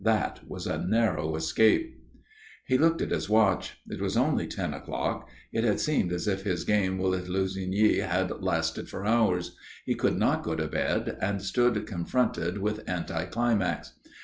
"That was a narrow escape." He looked at his watch. It was only ten o'clock. It had seemed as if his game with Lussigny had lasted for hours. He could not go to bed and stood confronted with anti climax.